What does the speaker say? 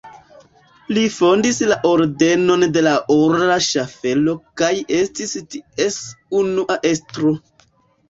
Li fondis la Ordenon de la Ora Ŝaffelo kaj estis ties unua estro.